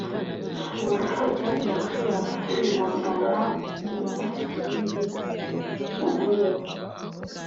ubona ko icyatumaga ushobora kwihangana umunsi ku wundi kivuyeho